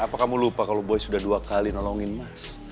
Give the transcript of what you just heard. apa kamu lupa kalau boy sudah dua kali nolongin mas